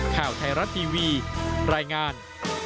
ข่าวไทยรัฐทีวีรายงาน